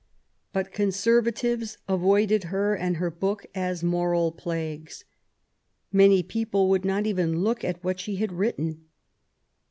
But conservatives avoided her and her book as moral plagues. Many people would not even look at what she had written.